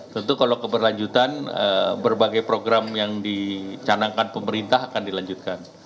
tentu kalau keberlanjutan berbagai program yang dicanangkan pemerintah akan dilanjutkan